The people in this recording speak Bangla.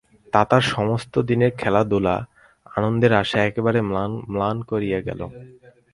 তাতার সমস্ত দিনের খেলাধুলা আনন্দের আশা একেবারে ম্লান হইয়া গেল।